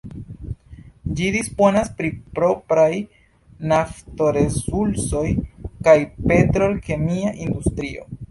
Ĝi disponas pri propraj nafto-resursoj kaj petrol-kemia industrio.